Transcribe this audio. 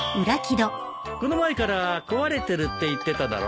この前から壊れてるって言ってただろ。